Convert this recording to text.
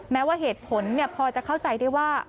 แม้ว่าเหตุผลพอจะเข้าใจได้ว่า